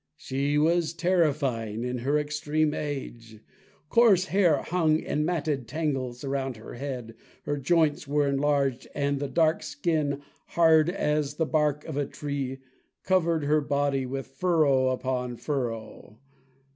She was terrifying in her extreme age! Coarse hair hung in matted tangles around her head, her joints were enlarged, and the dark skin, hard as the bark of a tree, covered her body with furrow upon furrow.